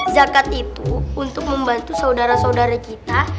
zakat itu untuk membantu saudara saudara kita